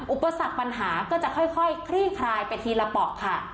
อุปสรรคปัญหาก็จะค่อยคลี่คลายไปทีละปอกค่ะ